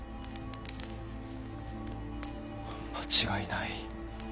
間違いない。